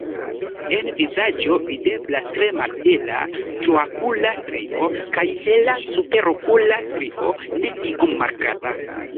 En vizaĝo videblas tre malhela traokula strio kaj hela superokula strio ne tiom markata.